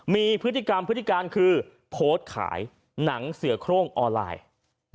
มีพฤติกรรมพฤติการคือโพสต์ขายหนังเสือโครงออนไลน์